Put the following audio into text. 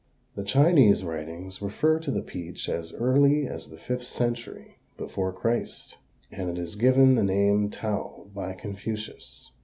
The Chinese writings refer to the peach as early as the fifth century before Christ, and it is given the name "tao" by Confucius.